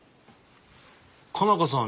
佳奈花さん